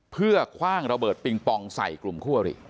เพื่อคว่างระเบิดปิงปองใส่กลุ่มคั่วหรี่